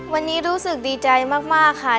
วันนี้รู้สึกดีใจมากค่ะ